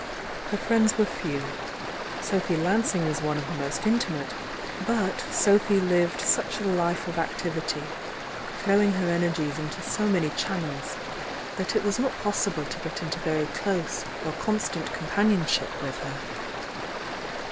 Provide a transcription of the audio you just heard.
Her friends were few; Sophy Lansing was one of the most inti mate,— but Sophy lived such a life of activity, THE YOUNG DIANA 41 throwing her energies into so many channels, that it was not possible to get into very close or constant companionship with her.